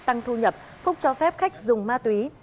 tăng thu nhập phúc cho phép khách dùng ma túy